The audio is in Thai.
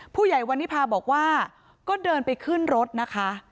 ผู้ใหญ่วันนิพาบอกว่าก็เดินไปขึ้นรถนะคะ